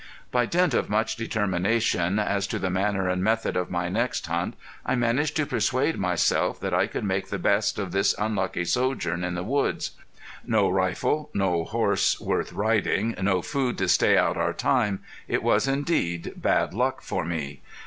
By dint of much determination as to the manner and method of my next hunt I managed to persuade myself that I could make the best of this unlucky sojourn in the woods. No rifle, no horse worth riding, no food to stay out our time it was indeed bad luck for me.